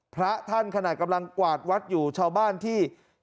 พระท่านขนาดกำลังกวาดวัดอยู่ชาวบ้านที่